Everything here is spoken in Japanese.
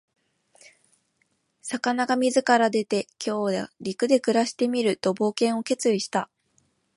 魚が水から出て、「今日は陸で暮らしてみる」と冒険を決意した。